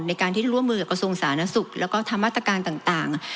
ในการที่ร่วมมือกับกระทรวงสาธารณสุขแล้วก็ทำมาตรการต่าง